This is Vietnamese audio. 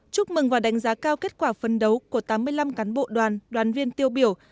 chúc mừng và đánh giá cao kết quả phân đấu của tám mươi năm cán bộ đoàn đoàn viên tiêu biểu